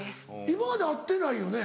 今まで会ってないよね？